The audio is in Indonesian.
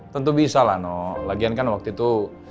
tentu bisa lah no lagian kan waktu itu